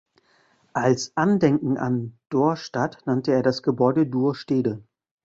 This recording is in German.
Als Andenken an Dorestad nannte er das Gebäude Duurstede.